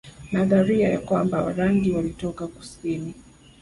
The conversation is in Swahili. Nadharia ya kwamba Warangi walitoka kusini